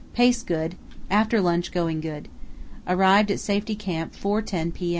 Pace good. After lunch going good. Arrived at Safety Camp 4.10 p.m.